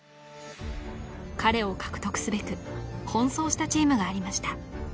彼を獲得すべく奔走したチームがありました